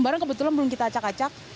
karena kebetulan belum kita acak acak